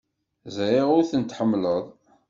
Ẓriɣ ur ten-tḥemmleḍ.